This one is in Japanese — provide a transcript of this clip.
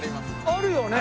あるよね。